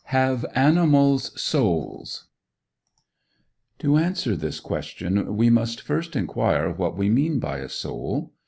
HAVE ANIMALS SOULS To answer this question, we must first inquire what we mean by a soul.